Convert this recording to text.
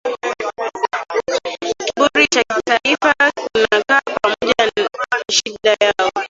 kiburi cha kitaifa kunakaa pamoja na shida yao